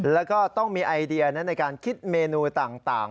แล้วก็ต้องมีไอเดียในการคิดเมนูต่าง